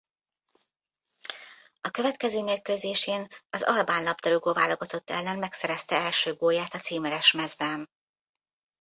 A következő mérkőzésén az albán labdarúgó-válogatott ellen megszerezte első gólját a címeres mezben.